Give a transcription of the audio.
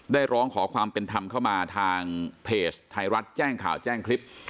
ร้องขอความเป็นธรรมเข้ามาทางเพจไทยรัฐแจ้งข่าวแจ้งคลิป